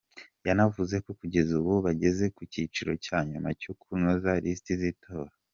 Yanavuze ko kugeza ubu bageza ku cyiciro cya nyuma cyo kunoza lisiti z’itora.